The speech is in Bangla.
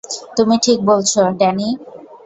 তুমি ঠিক বলছো, ড্যানি।